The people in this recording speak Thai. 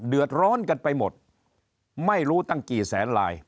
เดือดร้อนกันไปหมดไม่รู้ตั้งกี่แสนลาย